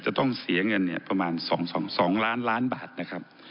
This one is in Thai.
จะต้องเสียเงินเนี่ยประมาณ๒ล้านล้านบาทนะครับ